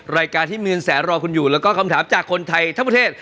รายการที่มีเงินแสนรอคุณอยู่แล้วก็คำถามจากคนไทยทั้งประเทศ